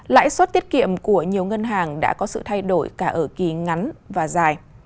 lãi suất tiết kiệm của nhiều ngân hàng đã có sự thay đổi cả ở kỳ ngắn và dài